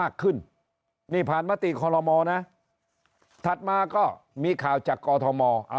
ขึ้นนี่ผ่านมติคอลโลมอนะถัดมาก็มีข่าวจากกอทม